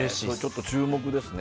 注目ですね。